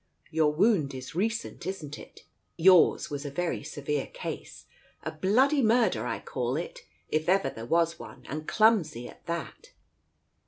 "Your wound is recent, isn't it? Yours was a very severe case ! A bloody murder, I call it, if ever there was one, and clumsy at that